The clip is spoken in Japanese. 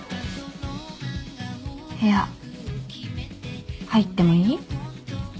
部屋入ってもいい？